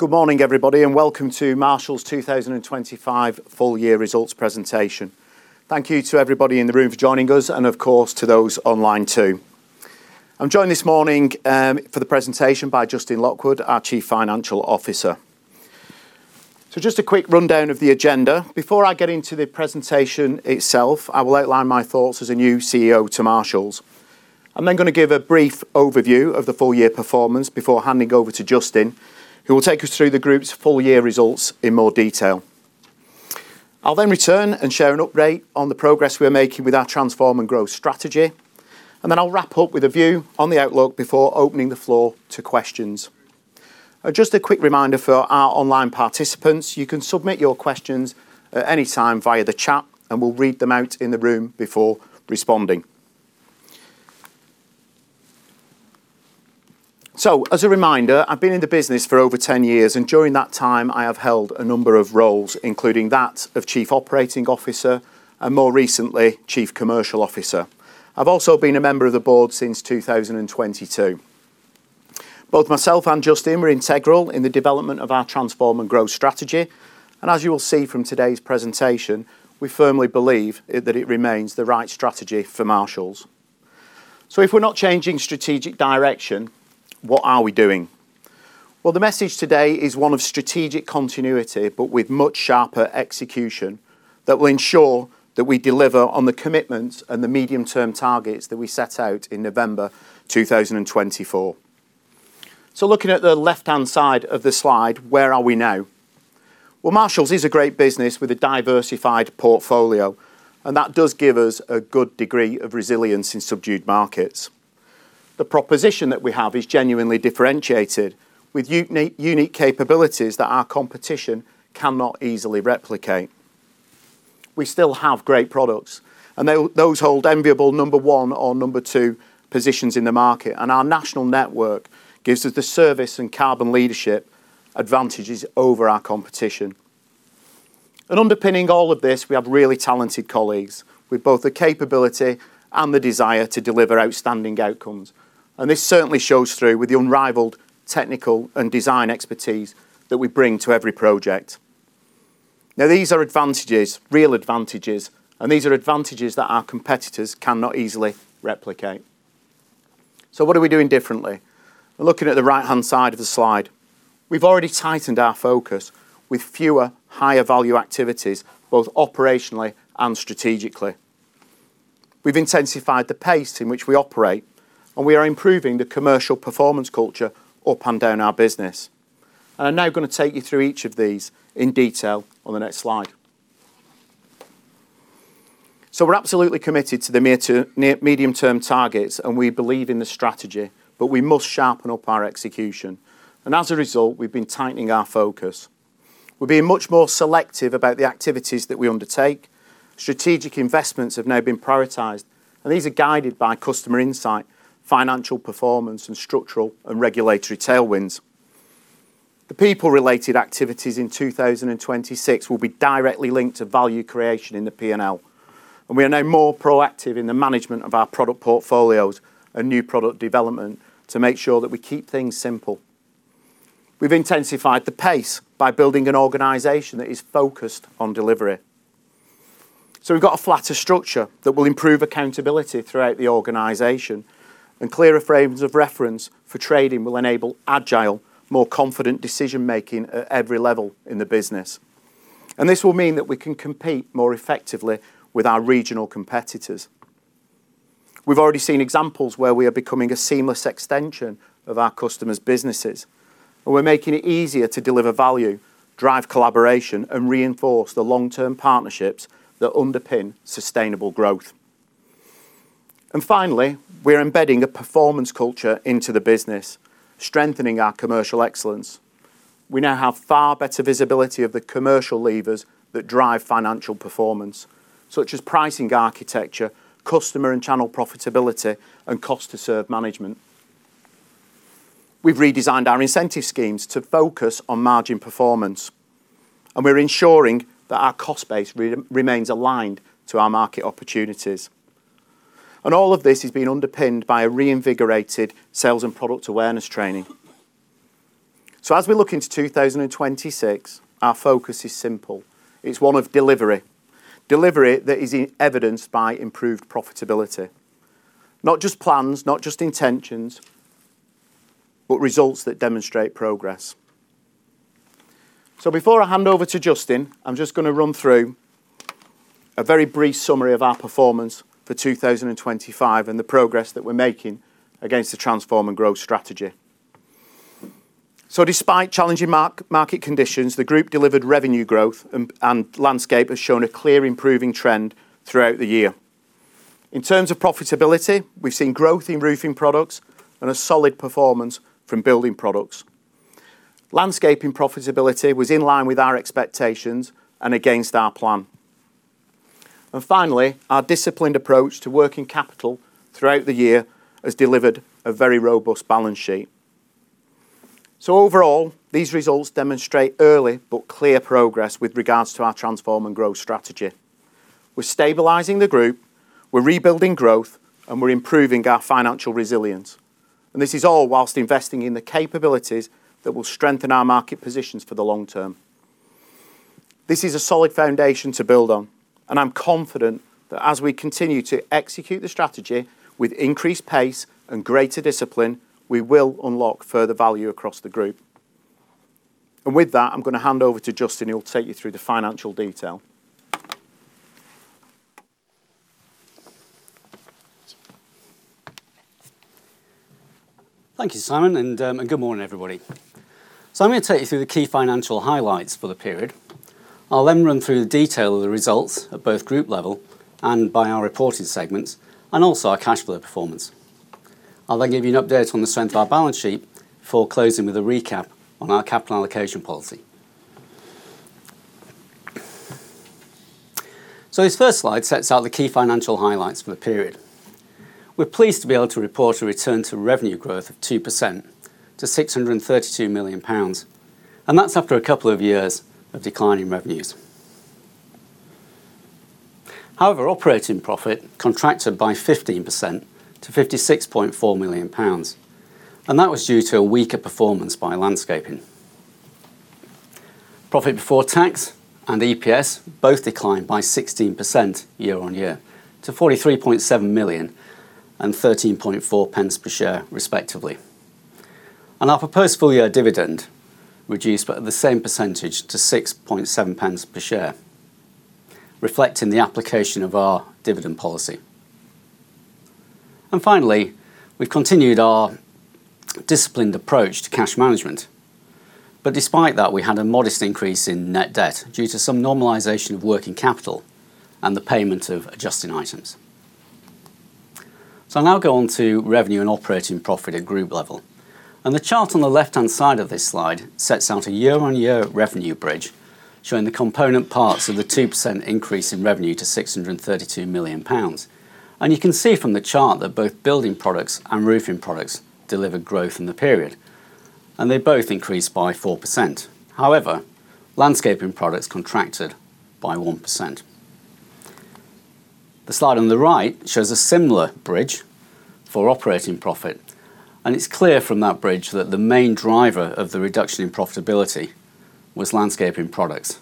Good morning, everybody, and welcome to Marshalls' 2025 full year results presentation. Thank you to everybody in the room for joining us and of course to those online too. I'm joined this morning for the presentation by Justin Lockwood, our Chief Financial Officer. Just a quick rundown of the agenda. Before I get into the presentation itself, I will outline my thoughts as a new CEO to Marshalls. I'm then gonna give a brief overview of the full year performance before handing over to Justin, who will take us through the group's full year results in more detail. I'll then return and share an update on the progress we are making with our Transform & Grow strategy, and then I'll wrap up with a view on the outlook before opening the floor to questions. Just a quick reminder for our online participants, you can submit your questions at any time via the chat, and we'll read them out in the room before responding. As a reminder, I've been in the business for over 10 years, and during that time I have held a number of roles, including that of Chief Operating Officer and more recently, Chief Commercial Officer. I've also been a member of the board since 2022. Both myself and Justin are integral in the development of our Transform & Grow strategy, and as you will see from today's presentation, we firmly believe it, that it remains the right strategy for Marshalls. If we're not changing strategic direction, what are we doing? Well, the message today is one of strategic continuity, but with much sharper execution that will ensure that we deliver on the commitments and the medium-term targets that we set out in November 2024. Looking at the left-hand side of the slide, where are we now? Well, Marshalls is a great business with a diversified portfolio, and that does give us a good degree of resilience in subdued markets. The proposition that we have is genuinely differentiated with unique capabilities that our competition cannot easily replicate. We still have great products and those hold enviable number one or number two positions in the market. Our national network gives us the service and carbon leadership advantages over our competition. Underpinning all of this, we have really talented colleagues with both the capability and the desire to deliver outstanding outcomes. This certainly shows through with the unrivaled technical and design expertise that we bring to every project. Now, these are advantages, real advantages, and these are advantages that our competitors cannot easily replicate. What are we doing differently? Looking at the right-hand side of the slide. We've already tightened our focus with fewer higher value activities, both operationally and strategically. We've intensified the pace in which we operate, and we are improving the commercial performance culture up and down our business. I'm now gonna take you through each of these in detail on the next slide. We're absolutely committed to the near- to medium-term targets, and we believe in the strategy, but we must sharpen up our execution. As a result, we've been tightening our focus. We're being much more selective about the activities that we undertake. Strategic investments have now been prioritized, and these are guided by customer insight, financial performance, and structural and regulatory tailwinds. The people related activities in 2026 will be directly linked to value creation in the P&L, and we are now more proactive in the management of our product portfolios and new product development to make sure that we keep things simple. We've intensified the pace by building an organization that is focused on delivery. We've got a flatter structure that will improve accountability throughout the organization, and clearer frames of reference for trading will enable agile, more confident decision-making at every level in the business. This will mean that we can compete more effectively with our regional competitors. We've already seen examples where we are becoming a seamless extension of our customers' businesses, and we're making it easier to deliver value, drive collaboration, and reinforce the long-term partnerships that underpin sustainable growth. Finally, we are embedding a performance culture into the business, strengthening our commercial excellence. We now have far better visibility of the commercial levers that drive financial performance, such as pricing architecture, customer and channel profitability, and cost to serve management. We've redesigned our incentive schemes to focus on margin performance, and we're ensuring that our cost base remains aligned to our market opportunities. All of this is being underpinned by a reinvigorated sales and product awareness training. As we look into 2026, our focus is simple. It's one of delivery. Delivery that is evidenced by improved profitability. Not just plans, not just intentions, but results that demonstrate progress. Before I hand over to Justin, I'm just gonna run through a very brief summary of our performance for 2025 and the progress that we're making against the Transform & Grow strategy. Despite challenging market conditions, the group delivered revenue growth and landscaping has shown a clear improving trend throughout the year. In terms of profitability, we've seen growth in Roofing Products and a solid performance from Building Products. Landscaping profitability was in line with our expectations and against our plan. Finally, our disciplined approach to working capital throughout the year has delivered a very robust balance sheet. Overall, these results demonstrate early but clear progress with regards to our Transform & Grow strategy. We're stabilizing the group, we're rebuilding growth, and we're improving our financial resilience. This is all while investing in the capabilities that will strengthen our market positions for the long term. This is a solid foundation to build on, and I'm confident that as we continue to execute the strategy with increased pace and greater discipline, we will unlock further value across the group. With that, I'm going to hand over to Justin, who will take you through the financial detail. Thank you, Simon, and good morning, everybody. I'm going to take you through the key financial highlights for the period. I'll then run through the detail of the results at both group level and by our reported segments, and also our cash flow performance. I'll then give you an update on the strength of our balance sheet before closing with a recap on our capital allocation policy. This first slide sets out the key financial highlights for the period. We're pleased to be able to report a return to revenue growth of 2% to 632 million pounds, and that's after a couple of years of declining revenues. However, operating profit contracted by 15% to 56.4 million pounds, and that was due to a weaker performance by Landscaping. Profit before tax and EPS both declined by 16% year-over-year to 43.7 million and 0.134 per share, respectively. Our proposed full-year dividend reduced by the same percentage to 0.067 pounds per share, reflecting the application of our dividend policy. Finally, we've continued our disciplined approach to cash management. Despite that, we had a modest increase in net debt due to some normalization of working capital and the payment of adjusting items. I'll now go on to revenue and operating profit at group level. The chart on the left-hand side of this slide sets out a year-over-year revenue bridge showing the component parts of the 2% increase in revenue to 632 million pounds. You can see from the chart that both Building Products and Roofing Products delivered growth in the period, and they both increased by 4%. However, Landscaping Products contracted by 1%. The slide on the right shows a similar bridge for operating profit, and it's clear from that bridge that the main driver of the reduction in profitability was Landscaping Products,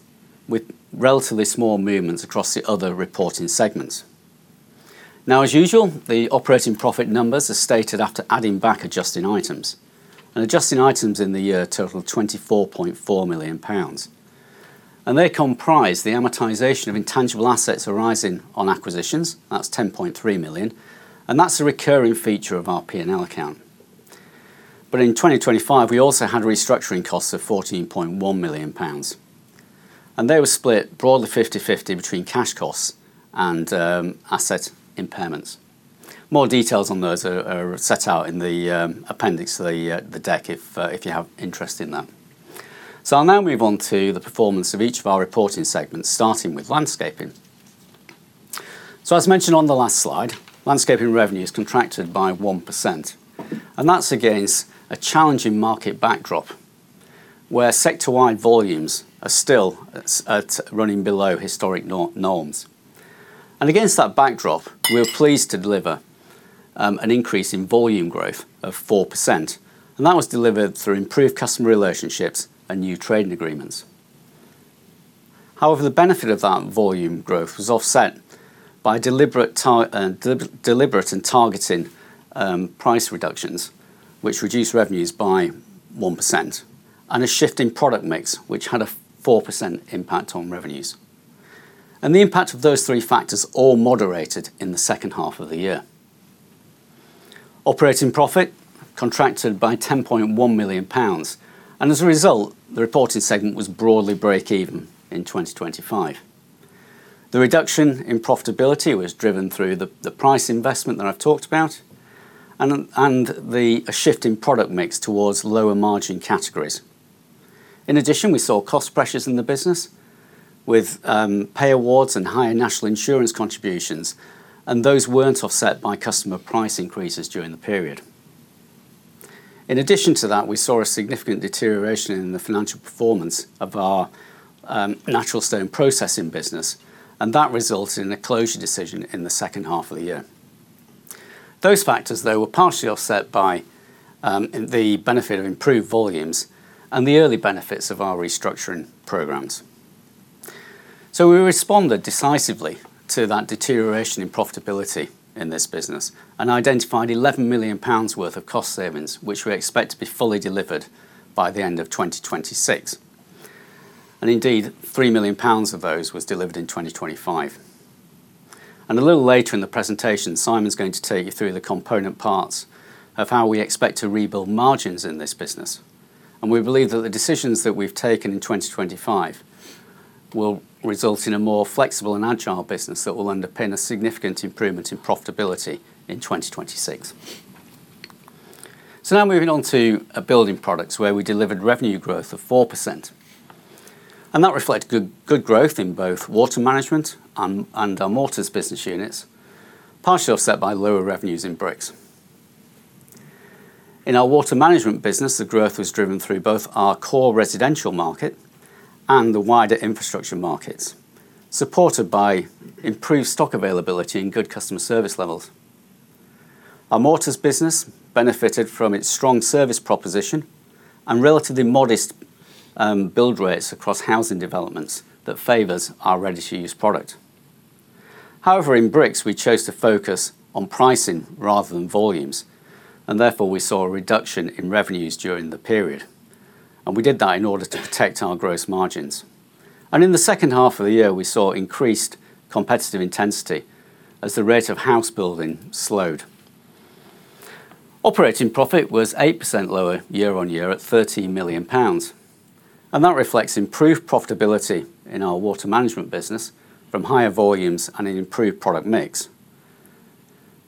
with relatively small movements across the other reported segments. Now, as usual, the operating profit numbers are stated after adding back adjusting items, and adjusting items in the year totaled 24.4 million pounds. They comprise the amortization of intangible assets arising on acquisitions, that's 10.3 million, and that's a recurring feature of our P&L account. In 2025, we also had restructuring costs of 14.1 million pounds, and they were split broadly 50/50 between cash costs and asset impairments. More details on those are set out in the appendix to the deck if you have interest in that. I'll now move on to the performance of each of our reporting segments, starting with Landscaping. As mentioned on the last slide, Landscaping revenues contracted by 1%, and that's against a challenging market backdrop where sector-wide volumes are still at running below historic norms. Against that backdrop, we were pleased to deliver an increase in volume growth of 4%, and that was delivered through improved customer relationships and new trading agreements. However, the benefit of that volume growth was offset by deliberate and targeted price reductions, which reduced revenues by 1% and a shift in product mix which had a 4% impact on revenues. The impact of those three factors all moderated in the second half of the year. Operating profit contracted by 10.1 million pounds, and as a result, the reported segment was broadly breakeven in 2025. The reduction in profitability was driven through the price investment that I've talked about and a shift in product mix towards lower margin categories. In addition, we saw cost pressures in the business with pay awards and higher national insurance contributions, and those weren't offset by customer price increases during the period. In addition to that, we saw a significant deterioration in the financial performance of our natural stone processing business, and that resulted in a closure decision in the second half of the year. Those factors, though, were partially offset by the benefit of improved volumes and the early benefits of our restructuring programs. We responded decisively to that deterioration in profitability in this business and identified 11 million pounds worth of cost savings, which we expect to be fully delivered by the end of 2026. Indeed, three million pounds of those was delivered in 2025. A little later in the presentation, Simon's going to take you through the component parts of how we expect to rebuild margins in this business. We believe that the decisions that we've taken in 2025 will result in a more flexible and agile business that will underpin a significant improvement in profitability in 2026. Now moving on to our Building Products, where we delivered revenue growth of 4%, and that reflects good growth in both Water Management and our Mortars business units, partially offset by lower revenues in Bricks. In our Water Management business, the growth was driven through both our core residential market and the wider infrastructure markets, supported by improved stock availability and good customer service levels. Our Mortars business benefited from its strong service proposition and relatively modest build rates across housing developments that favors our ready-to-use product. However, in Bricks, we chose to focus on pricing rather than volumes, and therefore we saw a reduction in revenues during the period. We did that in order to protect our gross margins. In the second half of the year, we saw increased competitive intensity as the rate of house building slowed. Operating profit was 8% lower year-on-year at 13 million pounds, and that reflects improved profitability in our Water Management business from higher volumes and an improved product mix.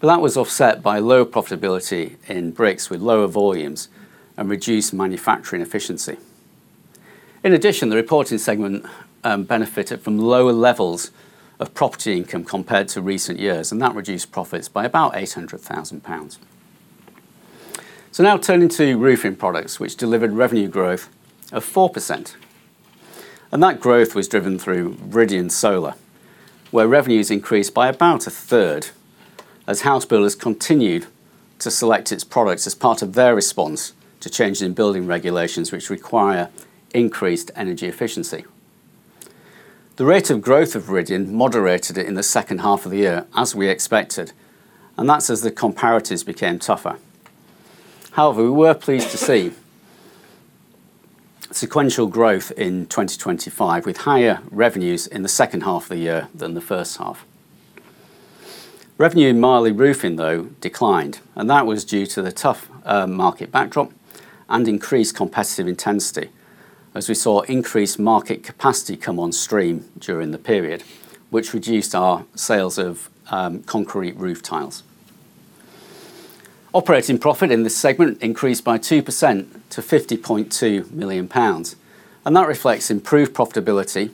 That was offset by lower profitability in Bricks with lower volumes and reduced manufacturing efficiency. In addition, the Roofing segment benefited from lower levels of property income compared to recent years, and that reduced profits by about 800,000 pounds. Now turning to roofing products, which delivered revenue growth of 4%, and that growth was driven through Viridian Solar, where revenues increased by about a third as house builders continued to select its products as part of their response to changes in building regulations which require increased energy efficiency. The rate of growth of Viridian moderated in the second half of the year, as we expected, and that's as the comparatives became tougher. However, we were pleased to see sequential growth in 2025, with higher revenues in the second half of the year than the first half. Revenue in Marley Roofing, though, declined, and that was due to the tough market backdrop and increased competitive intensity as we saw increased market capacity come on stream during the period, which reduced our sales of concrete roof tiles. Operating profit in this segment increased by 2% to 50.2 million pounds, and that reflects improved profitability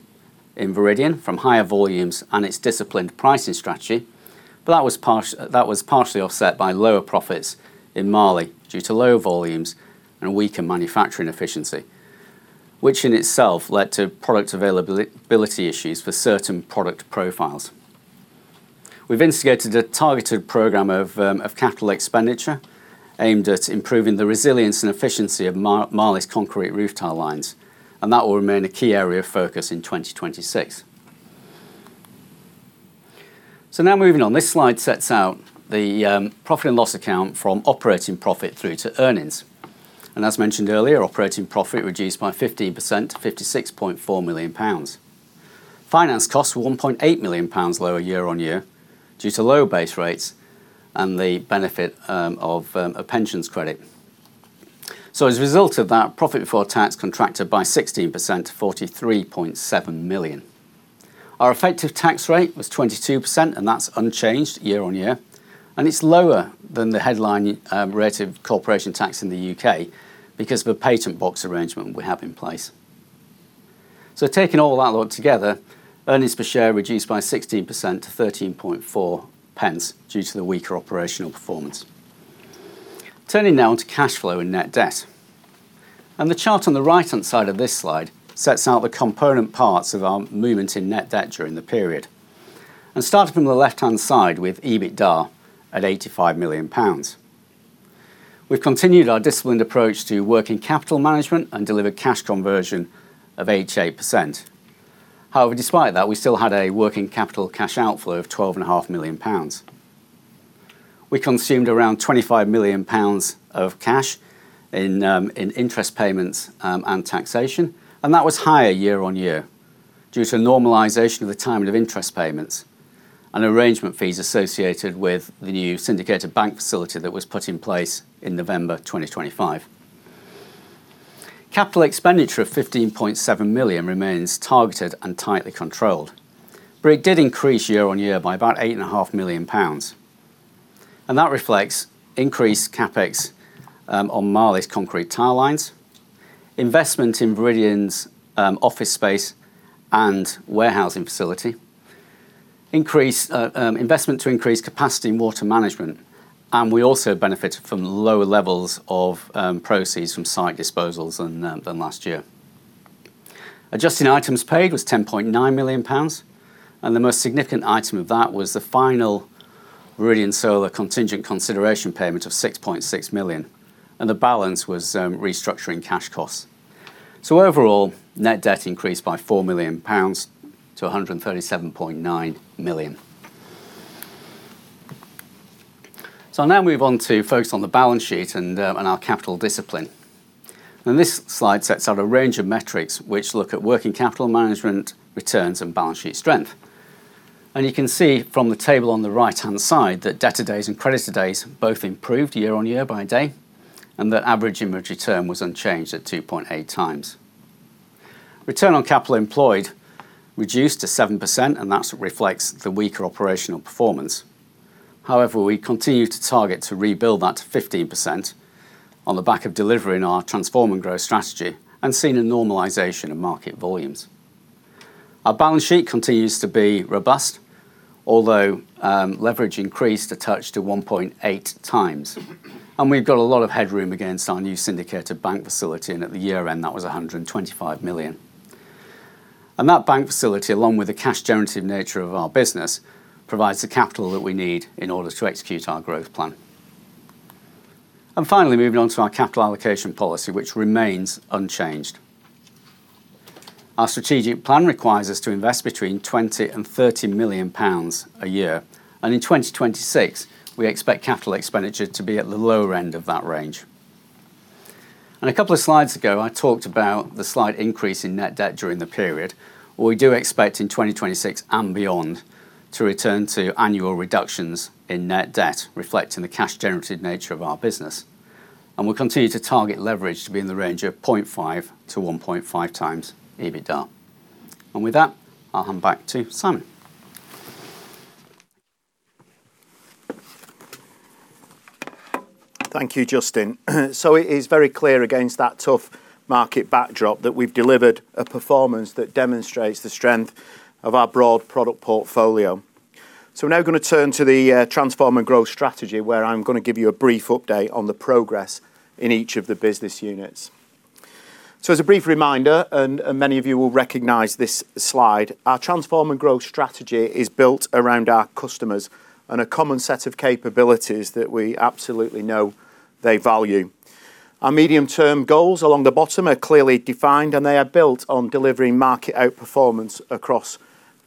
in Viridian from higher volumes and its disciplined pricing strategy. That was partially offset by lower profits in Marley due to lower volumes and weaker manufacturing efficiency, which in itself led to product availability issues for certain product profiles. We've instigated a targeted program of capital expenditure aimed at improving the resilience and efficiency of Marley's concrete roof tile lines, and that will remain a key area of focus in 2026. Now moving on. This slide sets out the profit and loss account from operating profit through to earnings. As mentioned earlier, operating profit reduced by 15% to 56.4 million pounds. Finance costs were 1.8 million pounds lower year-on-year due to lower base rates and the benefit of a pensions credit. As a result of that, profit before tax contracted by 16% to 43.7 million. Our effective tax rate was 22%, and that's unchanged year-on-year, and it's lower than the headline rate of corporation tax in the U.K. because of a Patent Box arrangement we have in place. Taking all of that together, earnings per share reduced by 16% to 0.134 due to the weaker operational performance. Turning now to cash flow and net debt. The chart on the right-hand side of this slide sets out the component parts of our movement in net debt during the period. Starting from the left-hand side with EBITDA at 85 million pounds. We've continued our disciplined approach to working capital management and delivered cash conversion of 88%. However, despite that, we still had a working capital cash outflow of 12.5 million pounds. We consumed around 25 million pounds of cash in interest payments and taxation, and that was higher year-on-year due to normalization of the timing of interest payments and arrangement fees associated with the new syndicated bank facility that was put in place in November 2025. Capital expenditure of 15.7 million remains targeted and tightly controlled, but it did increase year-on-year by about 8.5 million pounds. That reflects increased CapEx on Marley's concrete tile lines, investment in Viridian's office space and warehousing facility, increased investment to increase capacity in water management, and we also benefited from lower levels of proceeds from site disposals than last year. Adjusting items paid was 10.9 million pounds, and the most significant item of that was the final Viridian Solar contingent consideration payment of 6.6 million, and the balance was restructuring cash costs. Overall, net debt increased by 4 million pounds to 137.9 million. I'll now move on to focus on the balance sheet and our capital discipline. This slide sets out a range of metrics which look at working capital management, returns, and balance sheet strength. You can see from the table on the right-hand side that debtor days and creditor days both improved year-on-year by a day, and that average inventory turn was unchanged at 2.8x. Return on capital employed reduced to 7%, and that reflects the weaker operational performance. However, we continue to target to rebuild that to 15% on the back of delivering our Transform & Grow strategy and seeing a normalization of market volumes. Our balance sheet continues to be robust, although, leverage increased a touch to 1.8x. We've got a lot of headroom against our new syndicated bank facility, and at the year-end, that was 125 million. That bank facility, along with the cash generative nature of our business, provides the capital that we need in order to execute our growth plan. Finally, moving on to our capital allocation policy, which remains unchanged. Our strategic plan requires us to invest between 20 million and 30 million pounds a year, and in 2026, we expect capital expenditure to be at the lower end of that range. A couple of slides ago, I talked about the slight increase in net debt during the period. We do expect in 2026 and beyond to return to annual reductions in net debt, reflecting the cash generative nature of our business. We'll continue to target leverage to be in the range of 0.5x-1.5x EBITDA. With that, I'll hand back to Simon. Thank you, Justin. It is very clear against that tough market backdrop that we've delivered a performance that demonstrates the strength of our broad product portfolio. We're now gonna turn to the, Transform & Grow strategy, where I'm gonna give you a brief update on the progress in each of the business units. As a brief reminder, and many of you will recognize this slide, our Transform & Grow strategy is built around our customers and a common set of capabilities that we absolutely know they value. Our medium-term goals along the bottom are clearly defined, and they are built on delivering market outperformance across the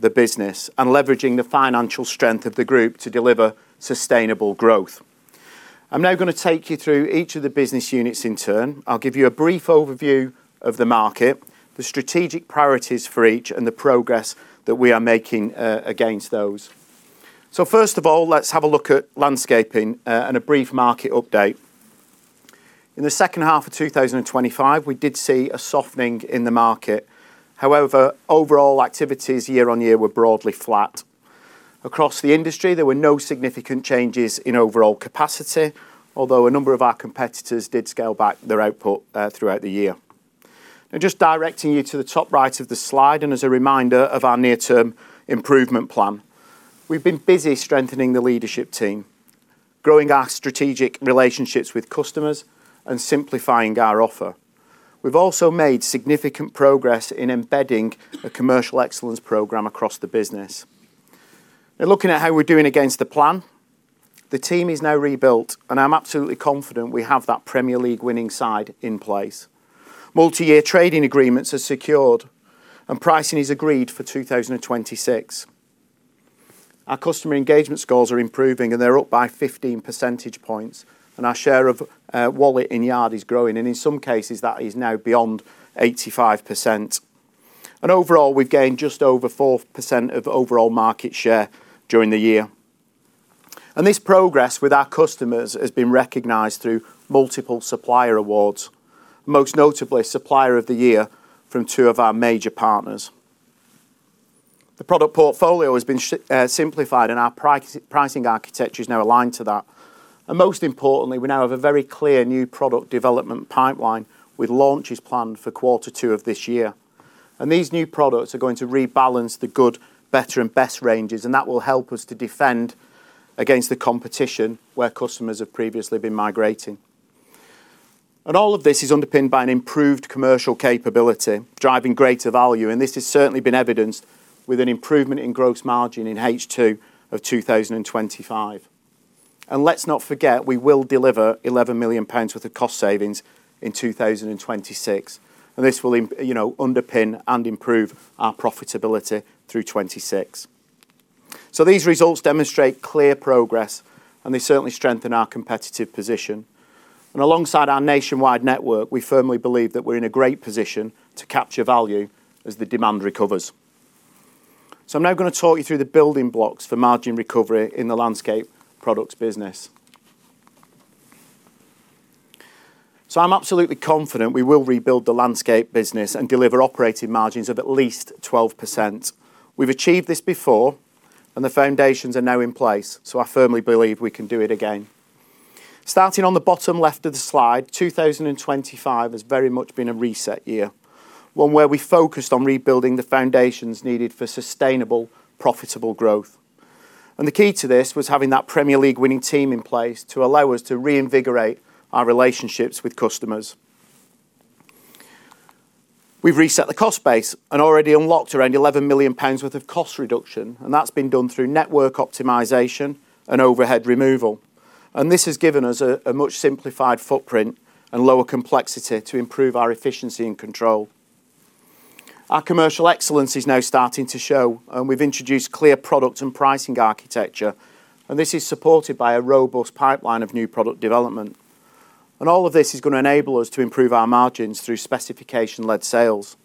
business and leveraging the financial strength of the group to deliver sustainable growth. I'm now gonna take you through each of the business units in turn. I'll give you a brief overview of the market, the strategic priorities for each, and the progress that we are making against those. First of all, let's have a look at Landscaping and a brief market update. In the second half of 2025, we did see a softening in the market. However, overall activities year on year were broadly flat. Across the industry, there were no significant changes in overall capacity, although a number of our competitors did scale back their output throughout the year. Now just directing you to the top right of the slide and as a reminder of our near-term improvement plan, we've been busy strengthening the leadership team, growing our strategic relationships with customers, and simplifying our offer. We've also made significant progress in embedding a commercial excellence program across the business. Now looking at how we're doing against the plan, the team is now rebuilt, and I'm absolutely confident we have that Premier League winning side in place. Multi-year trading agreements are secured and pricing is agreed for 2026. Our customer engagement scores are improving, and they're up by 15 percentage points, and our share of wallet in yard is growing. In some cases, that is now beyond 85%. Overall, we've gained just over 4% of overall market share during the year. This progress with our customers has been recognized through multiple supplier awards, most notably Supplier of the Year from two of our major partners. The product portfolio has been simplified and our pricing architecture is now aligned to that. Most importantly, we now have a very clear new product development pipeline with launches planned for quarter two of this year. These new products are going to rebalance the good, better, and best ranges, and that will help us to defend against the competition where customers have previously been migrating. All of this is underpinned by an improved commercial capability, driving greater value, and this has certainly been evidenced with an improvement in gross margin in H2 of 2025. Let's not forget, we will deliver 11 million pounds worth of cost savings in 2026, and this will, you know, underpin and improve our profitability through 2026. These results demonstrate clear progress, and they certainly strengthen our competitive position. Alongside our nationwide network, we firmly believe that we're in a great position to capture value as the demand recovers. I'm now gonna talk you through the building blocks for margin recovery in the landscape products business. I'm absolutely confident we will rebuild the landscape business and deliver operating margins of at least 12%. We've achieved this before, and the foundations are now in place, so I firmly believe we can do it again. Starting on the bottom left of the slide, 2025 has very much been a reset year, one where we focused on rebuilding the foundations needed for sustainable, profitable growth. The key to this was having that Premier League winning team in place to allow us to reinvigorate our relationships with customers. We've reset the cost base and already unlocked around 11 million pounds worth of cost reduction, and that's been done through network optimization and overhead removal. This has given us a much simplified footprint and lower complexity to improve our efficiency and control. Our commercial excellence is now starting to show, and we've introduced clear product and pricing architecture, and this is supported by a robust pipeline of new product development. All of this is gonna enable us to improve our margins through specification-led sales.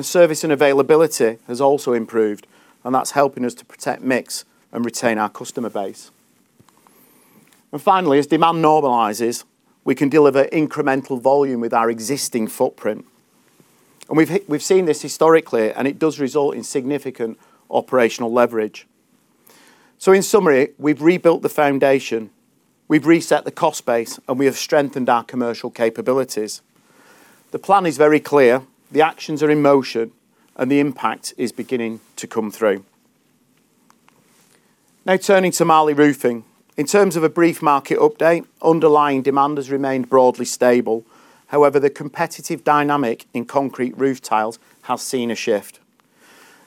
Service and availability has also improved, and that's helping us to protect mix and retain our customer base. Finally, as demand normalizes, we can deliver incremental volume with our existing footprint. We've seen this historically, and it does result in significant operational leverage. In summary, we've rebuilt the foundation, we've reset the cost base, and we have strengthened our commercial capabilities. The plan is very clear, the actions are in motion, and the impact is beginning to come through. Now turning to Marley Roofing. In terms of a brief market update, underlying demand has remained broadly stable. However, the competitive dynamic in concrete roof tiles has seen a shift.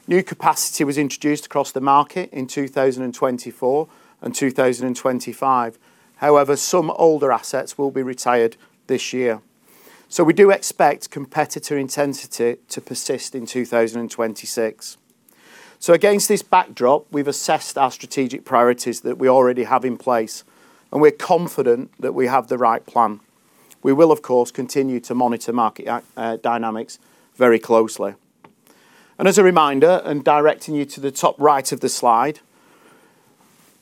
New capacity was introduced across the market in 2024 and 2025. However, some older assets will be retired this year. We do expect competitor intensity to persist in 2026. Against this backdrop, we've assessed our strategic priorities that we already have in place, and we're confident that we have the right plan. We will, of course, continue to monitor market dynamics very closely. As a reminder, and directing you to the top right of the slide,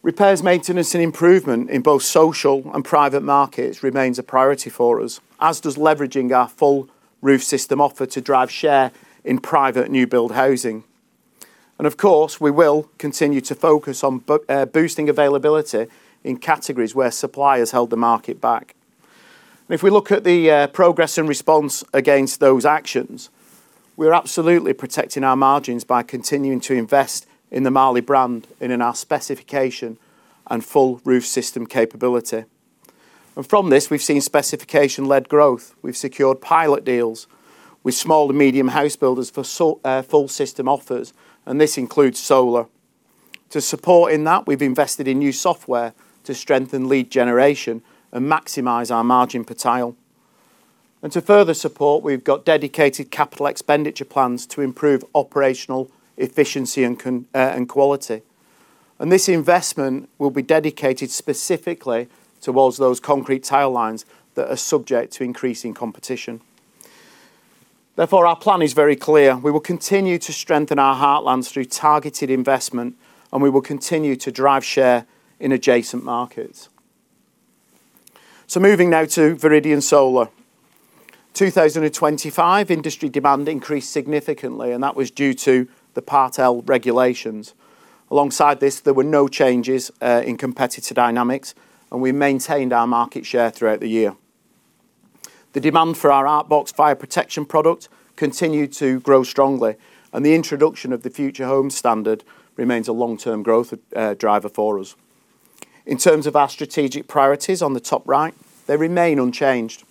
repairs, maintenance, and improvement in both social and private markets remains a priority for us, as does leveraging our full roof system offer to drive share in private new build housing. Of course, we will continue to focus on boosting availability in categories where supply has held the market back. If we look at the progress and response against those actions, we're absolutely protecting our margins by continuing to invest in the Marley brand and in our specification and full roof system capability. From this, we've seen specification-led growth. We've secured pilot deals with small to medium house builders for full system offers, and this includes solar. To support in that, we've invested in new software to strengthen lead generation and maximize our margin per tile. To further support, we've got dedicated capital expenditure plans to improve operational efficiency and quality. This investment will be dedicated specifically towards those concrete tile lines that are subject to increasing competition. Therefore, our plan is very clear. We will continue to strengthen our heartlands through targeted investment, and we will continue to drive share in adjacent markets. Moving now to Viridian Solar. 2025, industry demand increased significantly, and that was due to the Part L regulations. Alongside this, there were no changes in competitor dynamics, and we maintained our market share throughout the year. The demand for our ArcBox Fire Protection product continued to grow strongly, and the introduction of the Future Homes Standard remains a long-term growth driver for us. In terms of our strategic priorities on the top right, they remain unchanged.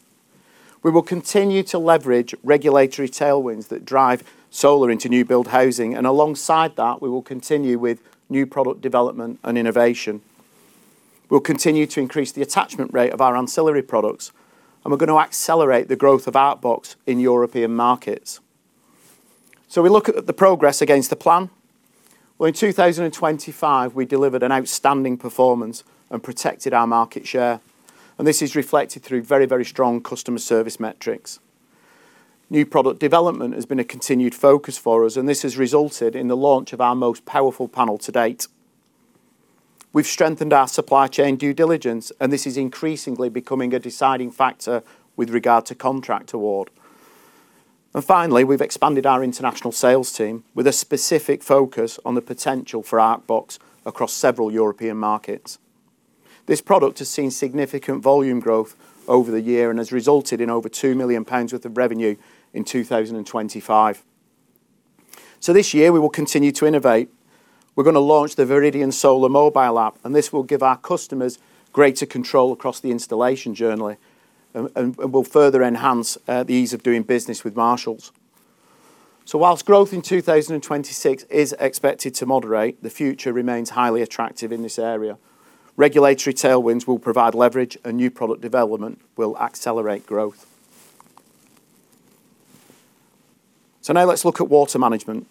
We will continue to leverage regulatory tailwinds that drive solar into new build housing, and alongside that, we will continue with new product development and innovation. We'll continue to increase the attachment rate of our ancillary products, and we're gonna accelerate the growth of ArcBox in European markets. We look at the progress against the plan. Well, in 2025, we delivered an outstanding performance and protected our market share, and this is reflected through very, very strong customer service metrics. New product development has been a continued focus for us, and this has resulted in the launch of our most powerful panel to date. We've strengthened our supply chain due diligence, and this is increasingly becoming a deciding factor with regard to contract award. Finally, we've expanded our international sales team with a specific focus on the potential for ArcBox across several European markets. This product has seen significant volume growth over the year and has resulted in over 2 million pounds worth of revenue in 2025. This year, we will continue to innovate. We're gonna launch the Viridian Solar mobile app, and this will give our customers greater control across the installation journey and will further enhance the ease of doing business with Marshalls. While growth in 2026 is expected to moderate, the future remains highly attractive in this area. Regulatory tailwinds will provide leverage, and new product development will accelerate growth. Now let's look at Water Management.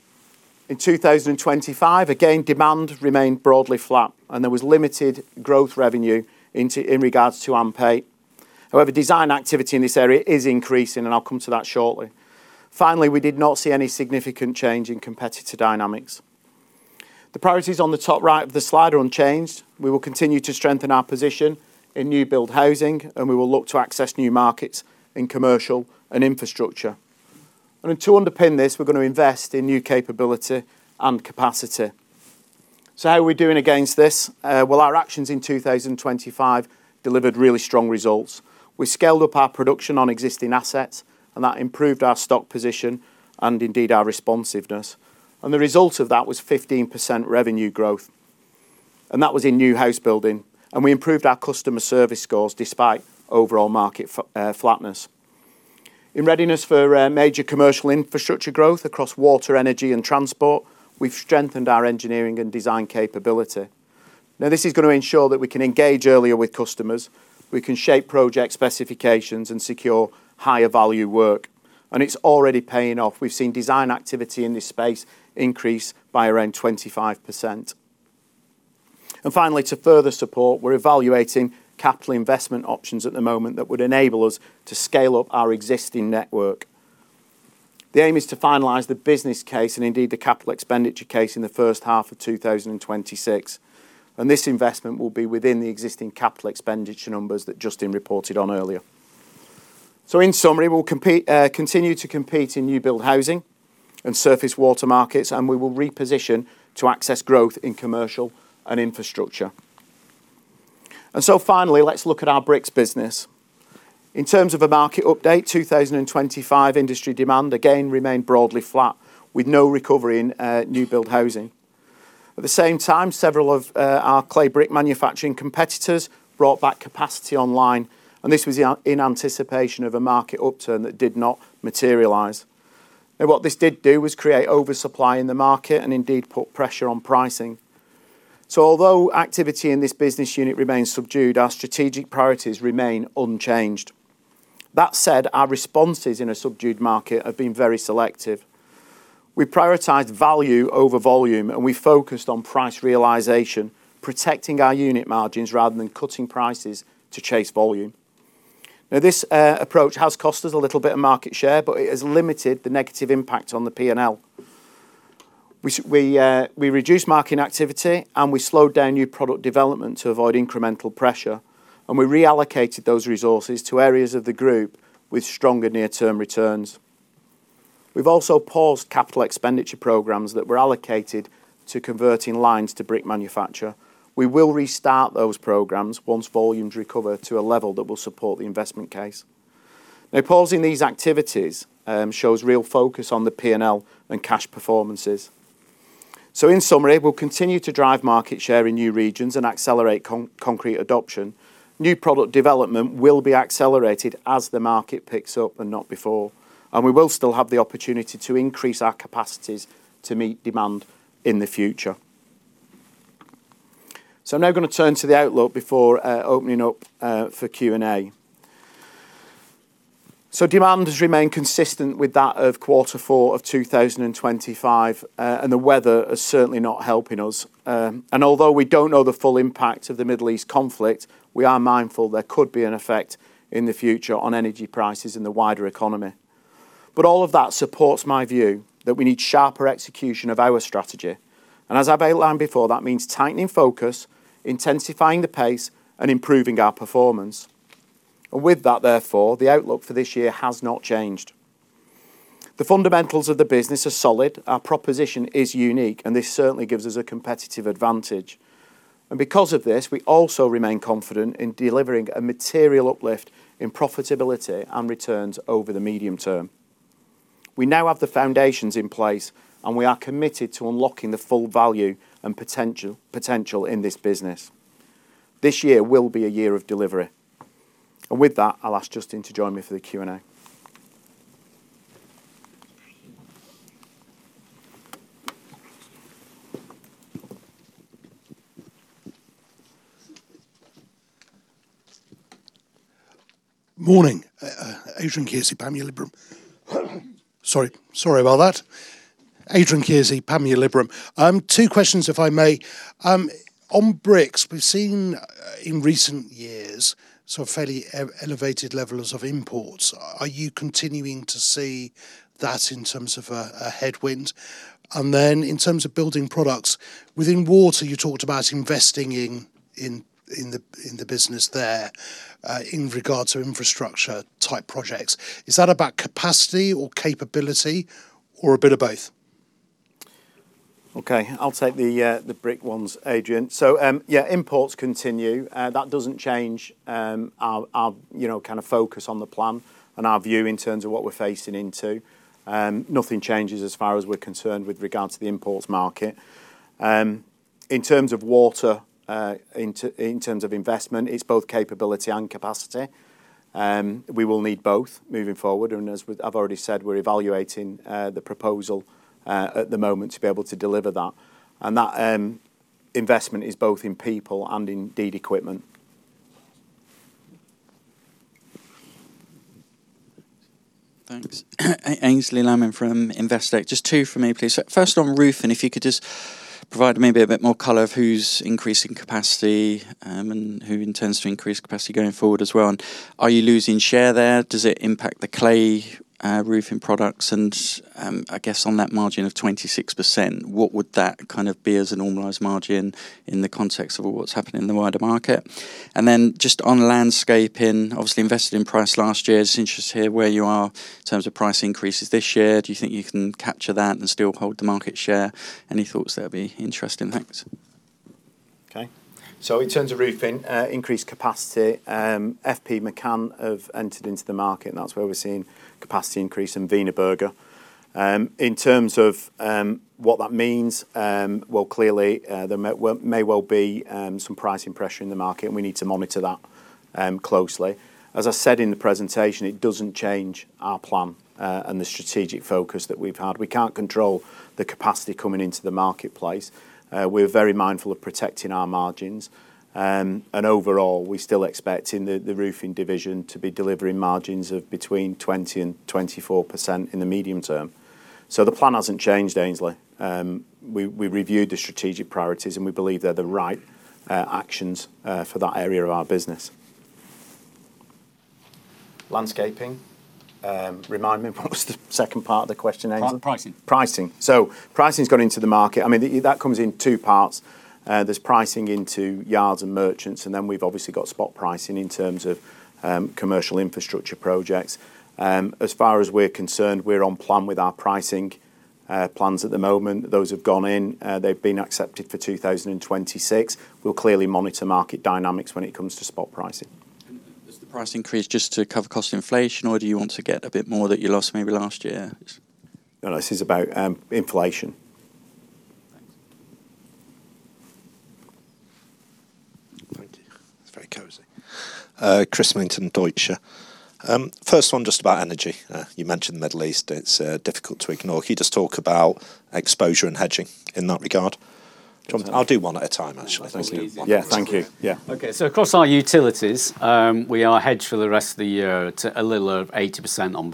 In 2025, again, demand remained broadly flat, and there was limited growth in revenue into, in regards to AMP8. However, design activity in this area is increasing, and I'll come to that shortly. Finally, we did not see any significant change in competitor dynamics. The priorities on the top right of the slide are unchanged. We will continue to strengthen our position in new build housing, and we will look to access new markets in commercial and infrastructure. To underpin this, we're gonna invest in new capability and capacity. How are we doing against this? Well, our actions in 2025 delivered really strong results. We scaled up our production on existing assets, and that improved our stock position and indeed our responsiveness. The result of that was 15% revenue growth, and that was in new house building. We improved our customer service scores despite overall market flatness. In readiness for major commercial infrastructure growth across water, energy, and transport, we've strengthened our engineering and design capability. Now, this is gonna ensure that we can engage earlier with customers, we can shape project specifications, and secure higher value work, and it's already paying off. We've seen design activity in this space increase by around 25%. Finally, to further support, we're evaluating capital investment options at the moment that would enable us to scale up our existing network. The aim is to finalize the business case and indeed the capital expenditure case in the first half of 2026, and this investment will be within the existing capital expenditure numbers that Justin reported on earlier. In summary, we'll compete, continue to compete in new build housing and surface water markets, and we will reposition to access growth in commercial and infrastructure. Finally, let's look at our Bricks business. In terms of a market update, 2025 industry demand again remained broadly flat with no recovery in new build housing. At the same time, several of our clay brick manufacturing competitors brought back capacity online, and this was in anticipation of a market upturn that did not materialize. What this did do was create oversupply in the market and indeed put pressure on pricing. Although activity in this business unit remains subdued, our strategic priorities remain unchanged. That said, our responses in a subdued market have been very selective. We prioritized value over volume, and we focused on price realization, protecting our unit margins rather than cutting prices to chase volume. Now this approach has cost us a little bit of market share, but it has limited the negative impact on the P&L. We reduced marketing activity, and we slowed down new product development to avoid incremental pressure, and we reallocated those resources to areas of the group with stronger near-term returns. We've also paused capital expenditure programs that were allocated to converting lines to brick manufacture. We will restart those programs once volumes recover to a level that will support the investment case. Now pausing these activities shows real focus on the P&L and cash performances. In summary, we'll continue to drive market share in new regions and accelerate concrete adoption. New product development will be accelerated as the market picks up and not before. We will still have the opportunity to increase our capacities to meet demand in the future. I'm now gonna turn to the outlook before opening up for Q&A. Demand has remained consistent with that of quarter four of 2025, and the weather is certainly not helping us. Although we don't know the full impact of the Middle East conflict, we are mindful there could be an effect in the future on energy prices in the wider economy. All of that supports my view that we need sharper execution of our strategy. As I've outlined before, that means tightening focus, intensifying the pace, and improving our performance. With that, therefore, the outlook for this year has not changed. The fundamentals of the business are solid, our proposition is unique, and this certainly gives us a competitive advantage. Because of this, we also remain confident in delivering a material uplift in profitability and returns over the medium term. We now have the foundations in place, and we are committed to unlocking the full value and potential in this business. This year will be a year of delivery. With that, I'll ask Justin to join me for the Q&A. Morning. Adrian Kearsey, Panmure Liberum. Two questions, if I may. On Bricks, we've seen in recent years sort of fairly elevated levels of imports. Are you continuing to see that in terms of a headwind? In terms of Building Products, within Water, you talked about investing in the business there in regard to infrastructure type projects. Is that about capacity or capability or a bit of both? Okay. I'll take the Brick ones, Adrian. Imports continue. That doesn't change our, you know, kind of focus on the plan and our view in terms of what we're facing into. Nothing changes as far as we're concerned with regards to the imports market. In terms of Water, in terms of investment, it's both capability and capacity. We will need both moving forward, and I've already said, we're evaluating the proposal at the moment to be able to deliver that. That investment is both in people and in the equipment. Thanks. Aynsley Lammin from Investec. Just two from me, please. First on Roofing, if you could just provide maybe a bit more color of who's increasing capacity, and who intends to increase capacity going forward as well. Are you losing share there? Does it impact the clay roofing products? I guess on that margin of 26%, what would that kind of be as a normalized margin in the context of what's happening in the wider market? Just on landscaping, obviously invested in price last year. Just interested to hear where you are in terms of price increases this year. Do you think you can capture that and still hold the market share? Any thoughts there'd be interesting. Thanks. Okay. In terms of roofing, increased capacity, FP McCann have entered into the market, and that's where we're seeing capacity increase in Wienerberger. In terms of what that means, well, clearly, there may well be some pricing pressure in the market, and we need to monitor that closely. As I said in the presentation, it doesn't change our plan, and the strategic focus that we've had. We can't control the capacity coming into the marketplace. We're very mindful of protecting our margins. Overall, we're still expecting the roofing division to be delivering margins of between 20%-24% in the medium term. The plan hasn't changed, Aynsley. We reviewed the strategic priorities, and we believe they're the right actions for that area of our business. Landscaping Remind me what was the second part of the question, Aynsley? Pri-pricing. Pricing. Pricing's gone into the market. I mean, that comes in two parts. There's pricing into yards and merchants, and then we've obviously got spot pricing in terms of commercial infrastructure projects. As far as we're concerned, we're on plan with our pricing plans at the moment. Those have gone in, they've been accepted for 2026. We'll clearly monitor market dynamics when it comes to spot pricing. Is the price increase just to cover cost inflation, or do you want to get a bit more that you lost maybe last year? No, this is about inflation. Thanks. Thank you. It's very cozy. Chris Millington, Deutsche Bank. First one just about energy. You mentioned Middle East, it's difficult to ignore. Can you just talk about exposure and hedging in that regard? I'll do one at a time, actually. Yeah. Thank you. Yeah. Across our utilities, we are hedged for the rest of the year to a little over 80% on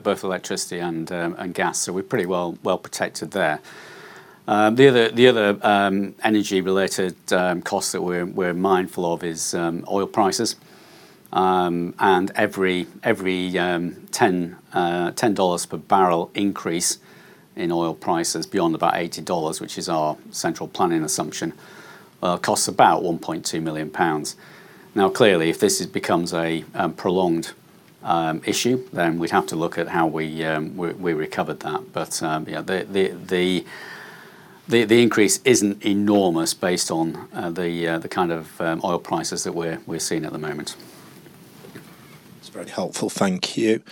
both electricity and gas, so we're pretty well protected there. The other energy-related costs that we're mindful of is oil prices. Every $10 per barrel increase in oil prices beyond about $80, which is our central planning assumption, costs about 1.2 million pounds. Clearly, if this becomes a prolonged issue, then we'd have to look at how we recovered that. Yeah, the increase isn't enormous based on the kind of oil prices that we're seeing at the moment. It's very helpful. Thank you.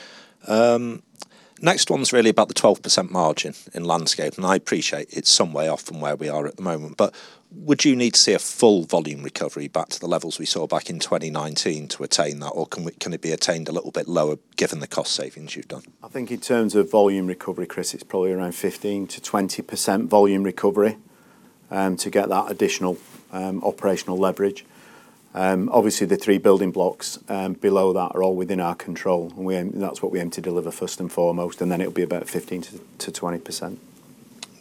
Next one's really about the 12% margin in Landscape, and I appreciate it's some way off from where we are at the moment, but would you need to see a full volume recovery back to the levels we saw back in 2019 to attain that? Or can it be attained a little bit lower given the cost savings you've done? I think in terms of volume recovery, Chris, it's probably around 15%-20% volume recovery to get that additional operational leverage. Obviously, the three building blocks below that are all within our control. That's what we aim to deliver first and foremost, and then it'll be about 15%-20%.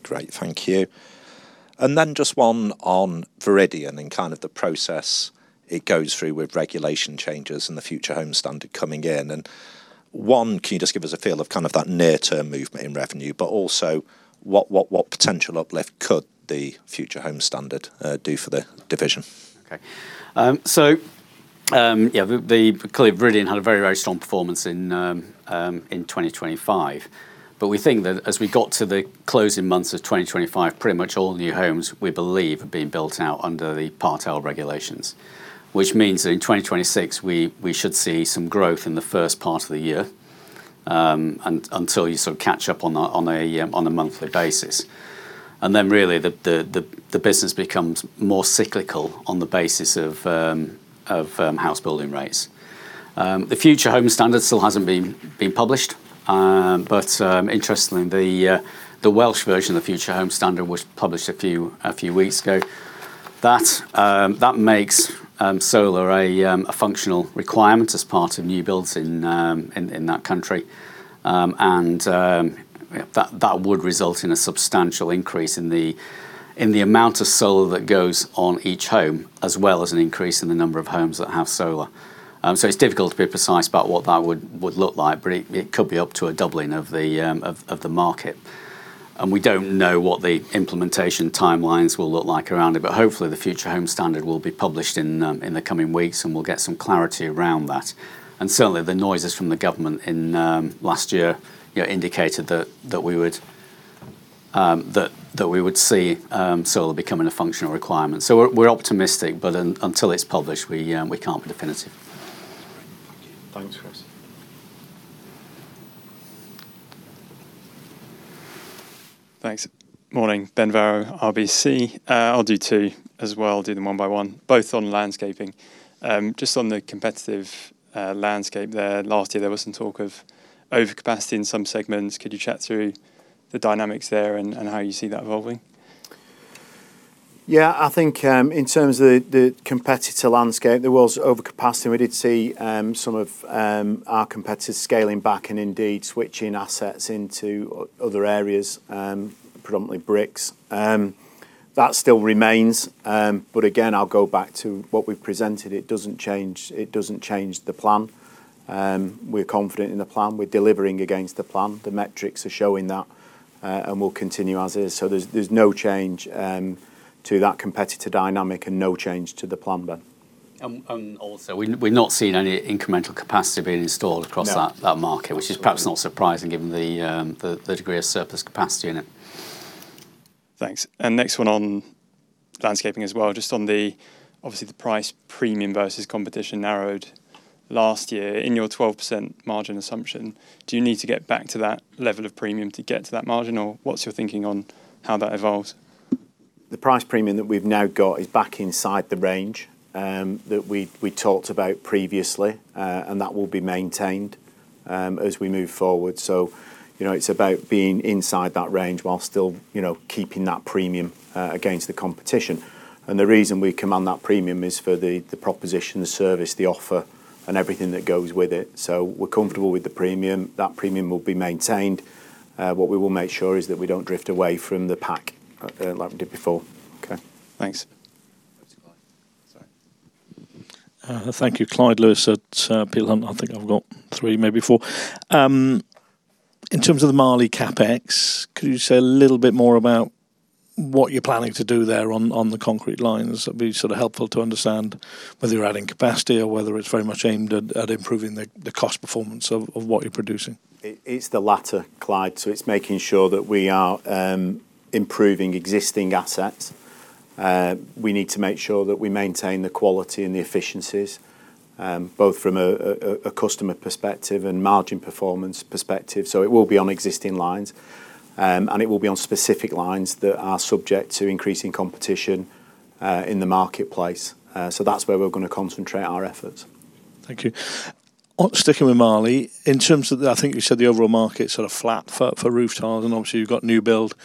Great. Thank you. Then just one on Viridian and kind of the process it goes through with regulation changes and the Future Homes Standard coming in. One, can you just give us a feel of kind of that near-term movement in revenue, but also what potential uplift could the Future Homes Standard do for the division? Clearly Viridian had a very strong performance in 2025. We think that as we got to the closing months of 2025, pretty much all new homes, we believe, have been built out under the Part L regulations. Which means that in 2026, we should see some growth in the first part of the year until you sort of catch up on a monthly basis. Then really, the business becomes more cyclical on the basis of house building rates. The Future Homes Standard still hasn't been published. Interestingly, the Welsh version of the Future Homes Standard was published a few weeks ago. That makes solar a functional requirement as part of new builds in that country. That would result in a substantial increase in the amount of solar that goes on each home, as well as an increase in the number of homes that have solar. It's difficult to be precise about what that would look like, but it could be up to a doubling of the market. We don't know what the implementation timelines will look like around it, but hopefully, the Future Homes Standard will be published in the coming weeks, and we'll get some clarity around that. Certainly, the noises from the government in last year, you know, indicated that we would see solar becoming a functional requirement. We're optimistic, but until it's published, we can't be definitive. Thank you. Thanks, Chris. Thanks. Morning, Ben Barrow, RBC. I'll do two as well. I'll do them one by one, both on landscaping. Just on the competitive landscape there, last year there was some talk of overcapacity in some segments. Could you chat through the dynamics there and how you see that evolving? Yeah, I think in terms of the competitor landscape, there was overcapacity, and we did see some of our competitors scaling back and indeed switching assets into other areas, predominantly Bricks. That still remains, but again, I'll go back to what we've presented. It doesn't change the plan. We're confident in the plan. We're delivering against the plan. The metrics are showing that, and we'll continue as is. There's no change to that competitor dynamic and no change to the plan, Ben. also, we've not seen any incremental capacity being installed across that. No That market, which is perhaps not surprising given the degree of surplus capacity in it. Thanks. Next one on landscaping as well, just on the obviously the price premium versus competition narrowed last year. In your 12% margin assumption, do you need to get back to that level of premium to get to that margin, or what's your thinking on how that evolves? The price premium that we've now got is back inside the range that we talked about previously, and that will be maintained as we move forward. You know, it's about being inside that range while still you know keeping that premium against the competition. The reason we command that premium is for the proposition, the service, the offer, and everything that goes with it. We're comfortable with the premium. That premium will be maintained. What we will make sure is that we don't drift away from the pack like we did before. Okay. Thanks. Thank you. Clyde Lewis at Peel Hunt. I think I've got three, maybe four. In terms of the Marley CapEx, could you say a little bit more about what you're planning to do there on the concrete lines? That'd be sort of helpful to understand whether you're adding capacity or whether it's very much aimed at improving the cost performance of what you're producing. It's the latter, Clyde, so it's making sure that we are improving existing assets. We need to make sure that we maintain the quality and the efficiencies, both from a customer perspective and margin performance perspective. It will be on existing lines, and it will be on specific lines that are subject to increasing competition in the marketplace. That's where we're gonna concentrate our efforts. Thank you. Sticking with Marley, in terms of the, I think you said the overall market's sort of flat for roof tiles, and obviously you've got new build,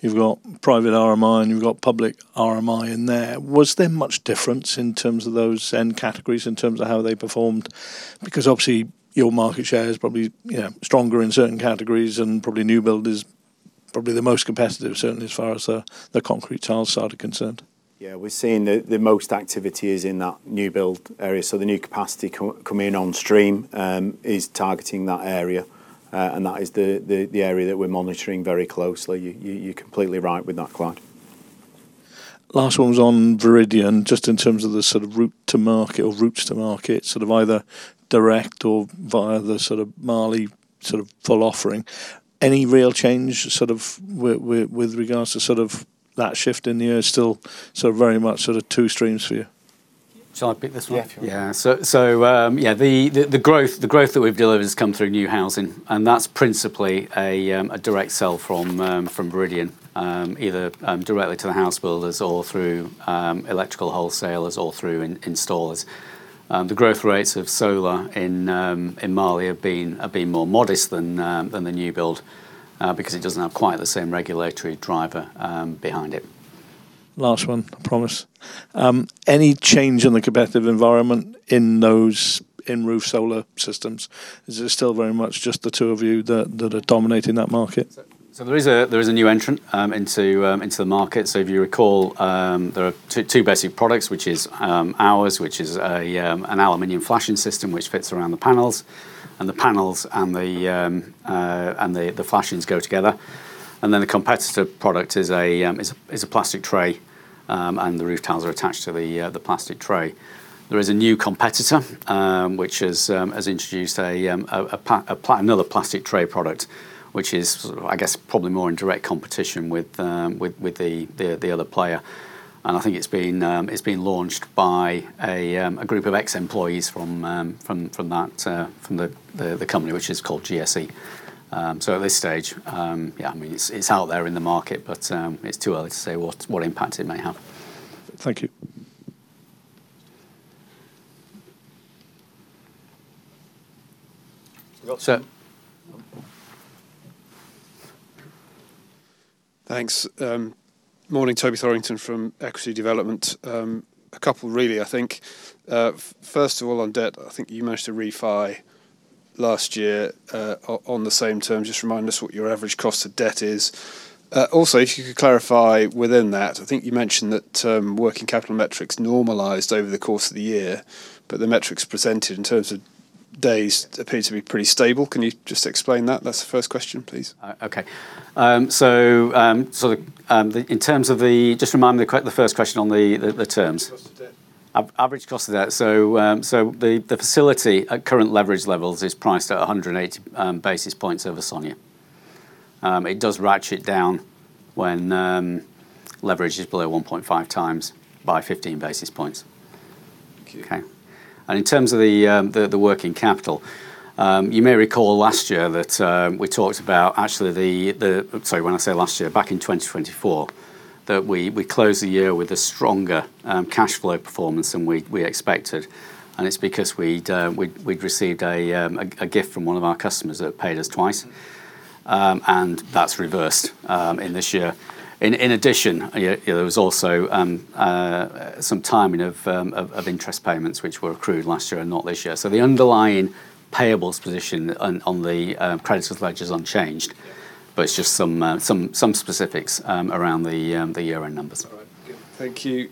you've got private RMI, and you've got public RMI in there. Was there much difference in terms of those end categories in terms of how they performed? Because obviously your market share is probably, you know, stronger in certain categories and probably new build is probably the most competitive, certainly as far as the concrete tiles side are concerned. Yeah. We're seeing the most activity is in that new build area, the new capacity coming in on stream is targeting that area. That is the area that we're monitoring very closely. You're completely right with that, Clyde. Last one was on Viridian, just in terms of the sort of route to market or routes to market, sort of either direct or via the sort of Marley sort of full offering. Any real change sort of with regards to sort of that shift in the air? Still sort of very much sort of two streams for you? Shall I pick this one? Yeah, sure. The growth that we've delivered has come through new housing, and that's principally a direct sale from Viridian, either directly to the house builders or through electrical wholesalers or through installers. The growth rates of solar in Marley have been more modest than the new build, because it doesn't have quite the same regulatory driver behind it. Last one, promise. Any change in the competitive environment in those in-roof solar systems? Is it still very much just the two of you that are dominating that market? There is a new entrant into the market. If you recall, there are two basic products, which is ours, which is an aluminum flashing system which fits around the panels. The panels and the flashings go together. The competitor product is a plastic tray, and the roof tiles are attached to the plastic tray. There is a new competitor which has introduced another plastic tray product, which is sort of I guess probably more in direct competition with the other player. I think it's been launched by a group of ex-employees from the company which is called GSE. At this stage, yeah, I mean, it's out there in the market, but it's too early to say what impact it may have. Thank you. We've got, sir. Thanks. Morning. Toby Thorrington from Equity Development. A couple really, I think. First of all on debt, I think you managed to refi last year, on the same terms. Just remind us what your average cost of debt is. Also if you could clarify within that, I think you mentioned that, working capital metrics normalized over the course of the year, but the metrics presented in terms of days appear to be pretty stable. Can you just explain that? That's the first question, please. Okay. Just remind me the first question on the terms. Cost of debt. Average cost of debt. The facility at current leverage levels is priced at 180 basis points over SONIA. It does ratchet down when leverage is below 1.5x by 15 basis points. Thank you. Okay. In terms of the working capital, you may recall last year that we talked about actually. Sorry, when I say last year, back in 2024, that we closed the year with a stronger cash flow performance than we expected, and it's because we'd received a gift from one of our customers that paid us twice. That's reversed in this year. In addition, you know, there was also some timing of interest payments which were accrued last year and not this year. So the underlying payables position on the creditors ledger unchanged, but it's just some specifics around the year-end numbers. All right, good. Thank you.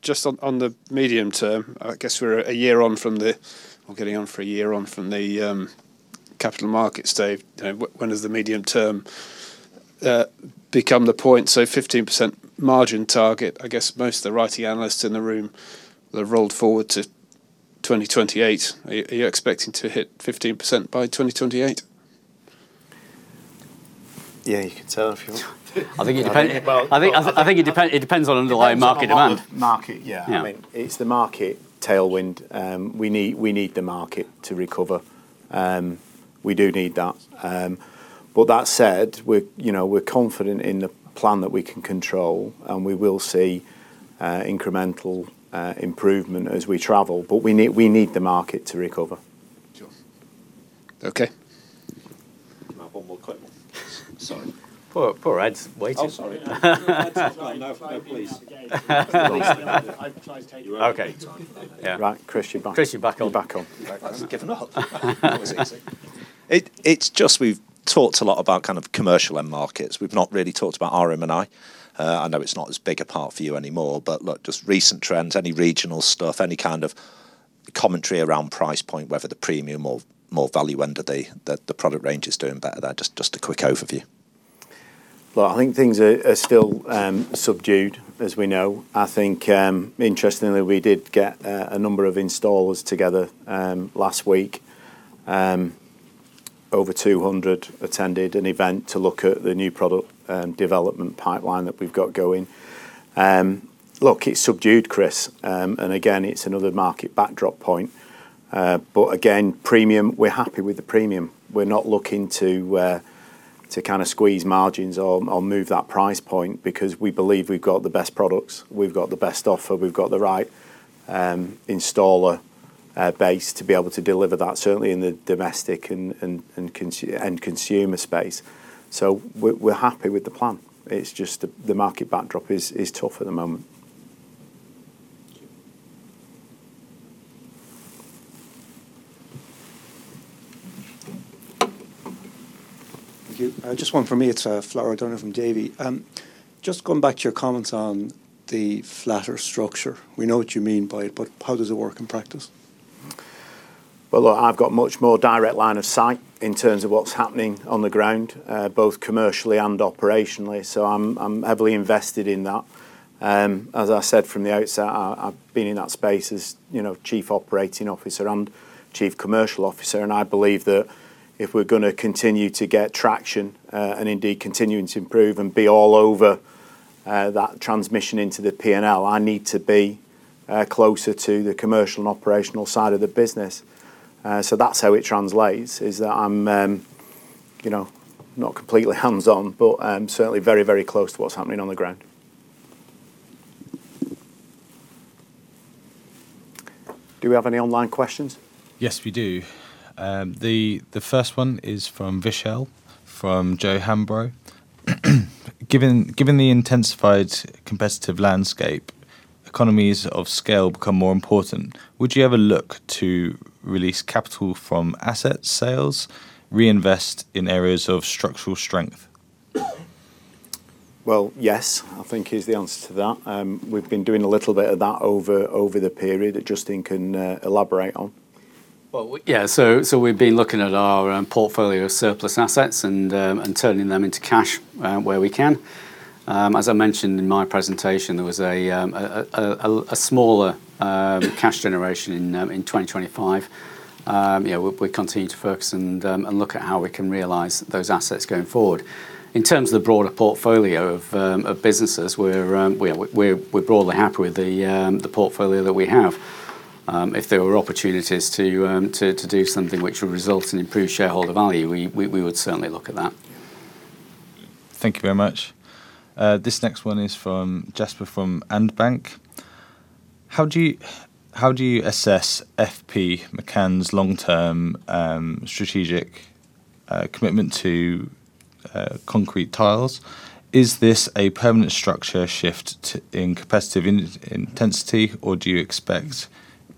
Just on the medium term, I guess we're a year on from the, or getting on for a year on from the capital markets day. You know, when does the medium term become the point? 15% margin target, I guess most of the writing analysts in the room that have rolled forward to 2028, are you expecting to hit 15% by 2028? Yeah, you can tell him if you want. I think it depends. Well, I I think it depends on underlying market demand. Depends on the market, yeah. Yeah. I mean, it's the market tailwind. We need the market to recover. We do need that. But that said, we're, you know, we're confident in the plan that we can control, and we will see incremental improvement as we travel, but we need the market to recover. Sure. Okay. One more, Clyde. Sorry. Poor, poor Ed's waiting. Oh, sorry. No, please. I'd like to take. Okay. Yeah. Right. Chris, you're back. Chris, you're back on. Back on. You haven't given up. That was easy. It's just we've talked a lot about kind of commercial end markets. We've not really talked about Repair, Maintenance, and Improvement. I know it's not as big a part for you anymore, but look, just recent trends, any regional stuff, any kind of commentary around price point, whether the premium or more value-ended the product range is doing better there. Just a quick overview. Well, I think things are still subdued, as we know. I think, interestingly, we did get a number of installers together last week. Over 200 attended an event to look at the new product development pipeline that we've got going. Look, it's subdued, Chris, and again, it's another market backdrop point. But again, premium, we're happy with the premium. We're not looking to kind of squeeze margins or move that price point because we believe we've got the best products, we've got the best offer, we've got the right installer base to be able to deliver that, certainly in the domestic and end consumer space. So we're happy with the plan. It's just the market backdrop is tough at the moment. Thank you. Thank you. Just one from me, it's Flor O'Donoghue from Davy. Just going back to your comments on the flatter structure. We know what you mean by it, but how does it work in practice? Well, look, I've got much more direct line of sight in terms of what's happening on the ground, both commercially and operationally, so I'm heavily invested in that. As I said from the outset, I've been in that space as, you know, Chief Operating Officer and Chief Commercial Officer, and I believe that if we're gonna continue to get traction, and indeed continue to improve and be all over that transmission into the P&L, I need to be closer to the commercial and operational side of the business. So that's how it translates, is that I'm, you know, not completely hands-on, but certainly very, very close to what's happening on the ground. Do we have any online questions? Yes, we do. The first one is from Vishal, from J O Hambro. Given the intensified competitive landscape, economies of scale become more important. Would you ever look to release capital from asset sales, reinvest in areas of structural strength? Well, yes, I think is the answer to that. We've been doing a little bit of that over the period that Justin can elaborate on. Well, yeah. We've been looking at our portfolio of surplus assets and turning them into cash where we can. As I mentioned in my presentation, there was a smaller cash generation in 2025. You know, we continue to focus and look at how we can realize those assets going forward. In terms of the broader portfolio of businesses, we're broadly happy with the portfolio that we have. If there were opportunities to do something which would result in improved shareholder value, we would certainly look at that. Thank you very much. This next one is from Jasper from Berenberg. How do you assess FP McCann's long-term strategic commitment to concrete tiles? Is this a permanent structural shift to increased competitive intensity or do you expect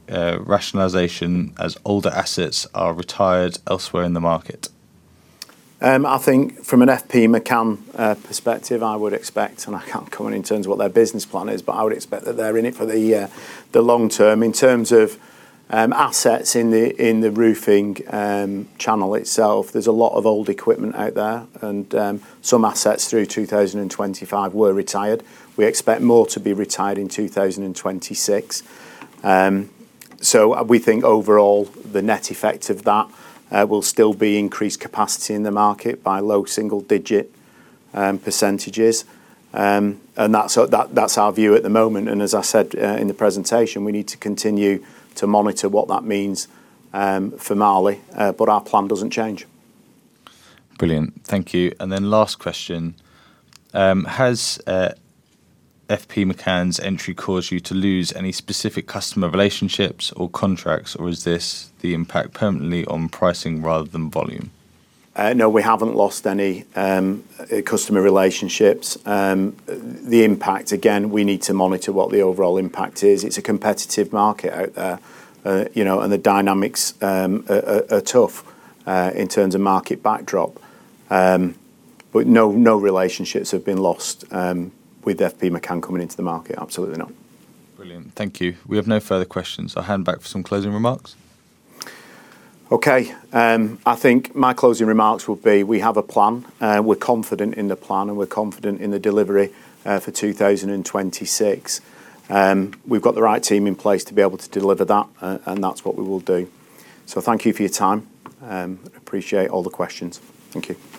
rationalization as older assets are retired elsewhere in the market? I think from an FP McCann perspective, I would expect, and I can't comment in terms of what their business plan is, but I would expect that they're in it for the long term. In terms of assets in the roofing channel itself, there's a lot of old equipment out there, and some assets through 2025 were retired. We expect more to be retired in 2026. We think overall the net effect of that will still be increased capacity in the market by low single-digit percentages. That's our view at the moment. As I said in the presentation, we need to continue to monitor what that means for Marley, but our plan doesn't change. Brilliant. Thank you. Last question. Has FP McCann's entry caused you to lose any specific customer relationships or contracts, or is this the impact permanently on pricing rather than volume? No, we haven't lost any customer relationships. The impact, again, we need to monitor what the overall impact is. It's a competitive market out there, you know, and the dynamics are tough in terms of market backdrop. No relationships have been lost with FP McCann coming into the market. Absolutely not. Brilliant. Thank you. We have no further questions, so I'll hand back for some closing remarks. Okay. I think my closing remarks would be we have a plan. We're confident in the plan, and we're confident in the delivery for 2026. We've got the right team in place to be able to deliver that. That's what we will do. Thank you for your time. Appreciate all the questions. Thank you.